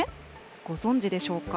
ご存じでしょうか？